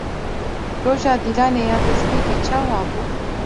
Roja Dîlanê ya destpêkê çawa bû?